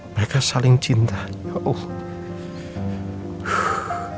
mereka saling cinta ya allah